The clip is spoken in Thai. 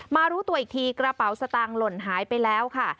รู้ตัวอีกทีกระเป๋าสตางค์หล่นหายไปแล้วค่ะ